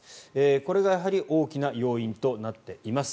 これがやはり大きな要因となっています。